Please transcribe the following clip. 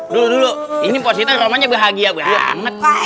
dulu dulu ini pak siti rumahnya bahagia